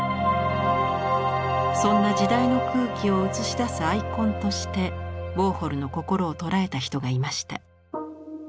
そんな時代の空気を映し出すアイコンとしてウォーホルの心をとらえた人がいました。